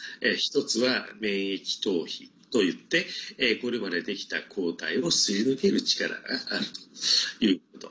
１つは免疫逃避といってこれまでできた抗体をすり抜ける力があるということ。